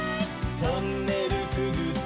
「トンネルくぐって」